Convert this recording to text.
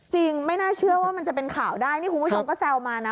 ไม่น่าเชื่อว่ามันจะเป็นข่าวได้นี่คุณผู้ชมก็แซวมานะ